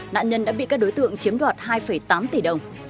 nạn nhân đã bị các đối tượng chiếm đoạt hai tám tỷ đồng